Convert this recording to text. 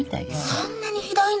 そんなにひどいの？